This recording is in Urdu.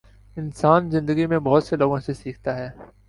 انسان زندگی میں بہت سے لوگوں سے سیکھتا ہے